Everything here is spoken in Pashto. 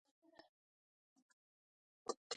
زابل کې هوا مخ پر سړيدو ده.